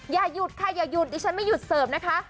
อย่าหยุดค่ะอย่าหยุดดิฉันไม่หยุดเสริมนะคะ